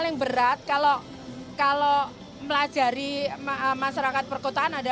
lintas di surabaya